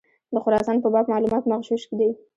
د خراسان په باب معلومات مغشوش دي.